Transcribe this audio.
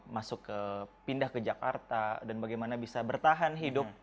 masuk ke pindah ke jakarta dan bagaimana bisa bertahan hingga ke jakarta